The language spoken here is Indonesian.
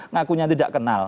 ngakunya tidak kenal